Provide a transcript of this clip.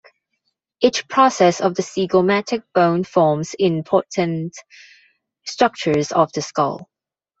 Each process of the zygomatic bone forms important structures of the skull.